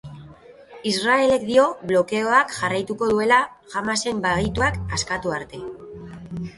Israelek dio blokeoak jarraituko duela Hamasek bahituak askatu arte.